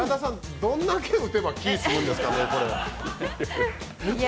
どんだけ打てば気が済むんですかね。